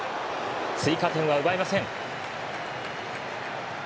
追加点は奪えません。